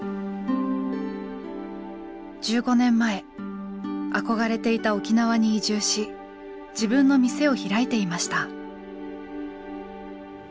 １５年前憧れていた沖縄に移住し自分の店を開いていました。